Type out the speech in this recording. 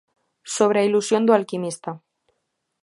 Sobre a ilusión do alquimista.